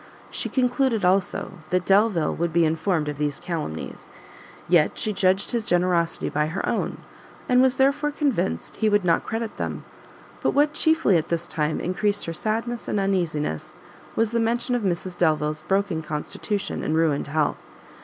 She concluded, also, that Delvile would be informed of these calumnies, yet she judged his generosity by her own, and was therefore convinced he would not credit them: but what chiefly at this time encreased her sadness and uneasiness, was the mention of Mrs Delvile's broken constitution and ruined health.